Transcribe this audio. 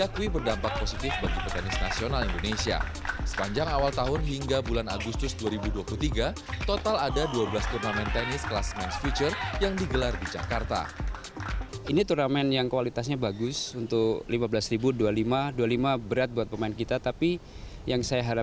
kedua duanya menang dengan skor enam